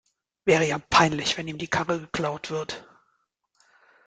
Wäre ja peinlich, wenn ihm die Karre geklaut wird.